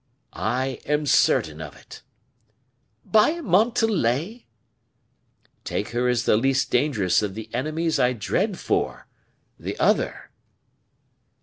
"I am certain of it." "By Montalais?" "Take her as the least dangerous of the enemies I dread for the other!"